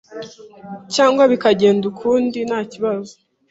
cyangwa bikagenda ukundi ntakibazo